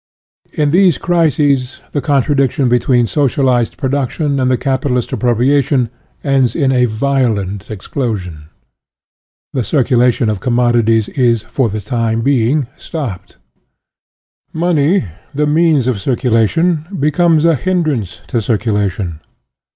Tn these crises, the contradiction between socialized production and capitalist appro UTOPIAN AND SCIENTIFIC 117 priation ends in a violent explosion. The circulation of commodities is, for the time being, stopped. Money, the means of cir culation, becomes a hindrance to circulation.